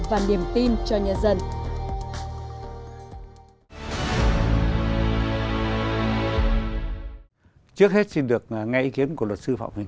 và niềm tin cho nhà dân